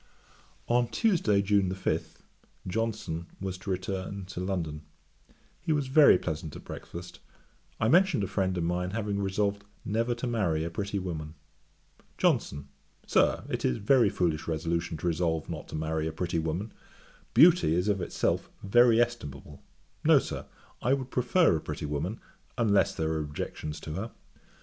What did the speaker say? On Tuesday, June 5, Johnson was to return to London. He was very pleasant at breakfast; I mentioned a friend of mine having resolved never to marry a pretty woman. JOHNSON. 'Sir, it is a very foolish resolution to resolve not to marry a pretty woman. Beauty is of itself very estimable. No, Sir, I would prefer a pretty woman, unless there are objections to her.